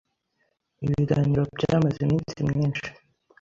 Ibiganiro byamaze iminsi myinshi.